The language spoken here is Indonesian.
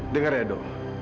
dengar ya edo